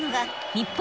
日本！